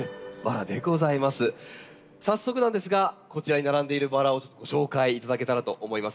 早速なんですがこちらに並んでいるバラをご紹介いただけたらと思います。